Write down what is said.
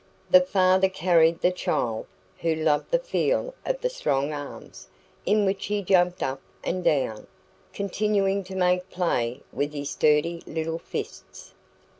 The father carried the child, who loved the feel of the strong arms, in which he jumped up and down, continuing to make play with his sturdy little fists.